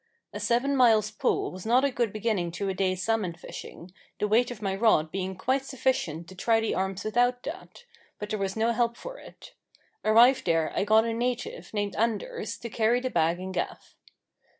A seven miles' pull was not a good beginning to a day's salmon fishing, the weight of my rod being quite sufficient to try the arms without that; but there was no help for it. Arrived there I got a native, named Anders, to carry the bag and gaff.